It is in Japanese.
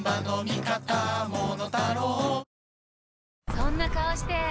そんな顔して！